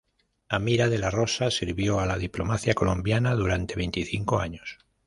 Amira de la Rosa sirvió a la diplomacia colombiana durante veinticinco años.